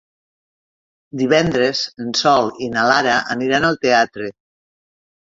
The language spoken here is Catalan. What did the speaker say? Divendres en Sol i na Lara aniran al teatre.